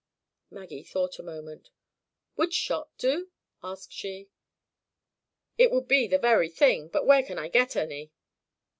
Maggie thought a moment. "Would shot do?" asked she. "It would be the very thing; but where can I get any?"